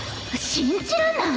信じらんない！